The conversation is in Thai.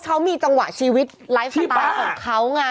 เขามีจังหวะชีวิตไลฟ์สไตล์ของเขาไง